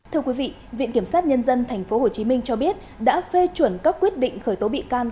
thưa quý vị viện kiểm sát nhân dân tp hcm cho biết đã phê chuẩn các quyết định khởi tố bị can